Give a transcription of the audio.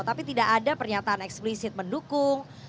tapi tidak ada pernyataan eksplisit mendukung